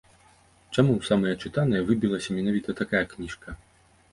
Чаму ў самыя чытаныя выбілася менавіта такая кніжка?